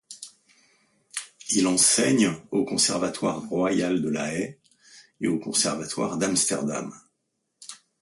Il enseigne au Conservatoire royal de La Haye et au conservatoire d’Amsterdam.